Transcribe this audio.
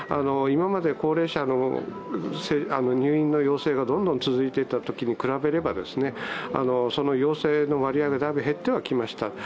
今まで高齢者の入院の要請がどんどん続いていたときに比べれば、陽性の割合がだいぶ減ってはきました。